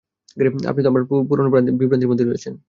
আপনি তো আপনার পুরনো বিভ্রান্তির মধ্যেই রয়েছেন।